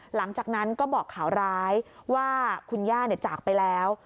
หลังจากนั้นก็บอกข่าวร้ายว่าคุณย่าจากไปแล้ว